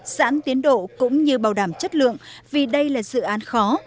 giãn tiến độ cũng như bảo đảm chất lượng vì đây là dự án khó